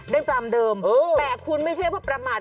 ตามเดิมแต่คุณไม่ใช่ว่าประมาท